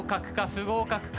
不合格か？